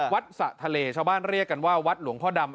สะทะเลชาวบ้านเรียกกันว่าวัดหลวงพ่อดำ